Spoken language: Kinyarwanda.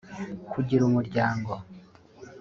kugira umuryango